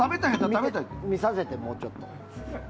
見させて、もうちょっと。